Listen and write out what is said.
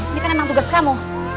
ini kan emang tugas kamu